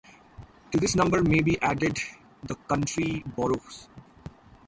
To this number may be added the county boroughs.